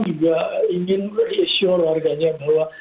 juga ingin mensure warganya bahwa